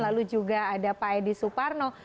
lalu juga ada pak edi suparno